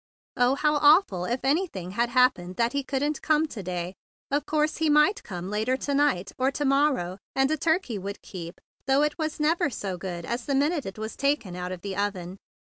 Oh, how awful if anything had happened that he couldn't come to day! Of course, he might come later to night, or to mor¬ row; and a turkey would keep, though it was never so good as the minute it was taken out of the oven.